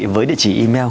với địa chỉ email